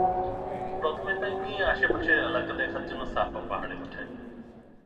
প্রথমে তিনি আশেপাশের এলাকা দেখার জন্য সাফা পাহাড়ে উঠেন।